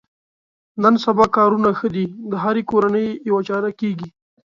نن سبا کارونه ښه دي د هرې کورنۍ یوه چاره کېږي.